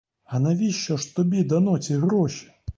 А навіщо ж тобі дано ці гроші?